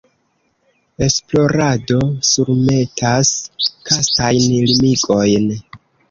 Esplorado surmetas kastajn limigojn.